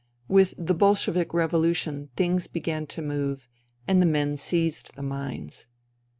With the Bolshevik revolution things began to move, and the men seized the mines.